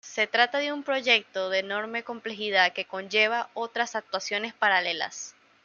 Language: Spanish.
Se trata de un proyecto de enorme complejidad que conlleva otras actuaciones paralelas.